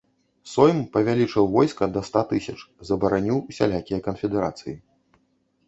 Сойм павялічыў войска да ста тысяч, забараніў усялякія канфедэрацыі.